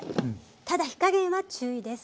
ただ火加減は注意です。